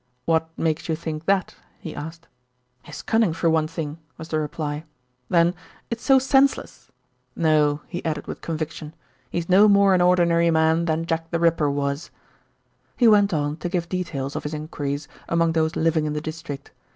"What makes you think that?" he asked. "His cunning, for one thing," was the reply. "Then it's so senseless. No," he added with conviction, "he's no more an ordinary man than Jack the Ripper was." He went on to give details of his enquiries among those living in the district.